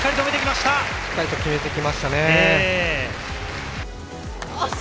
しっかり決めてきましたね。